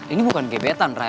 ini bukan gebetan ray